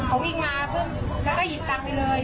แต่เขาวิ่งออกมาเลยเขาวิ่งมาแล้วก็หยิบตังค์ไปเลย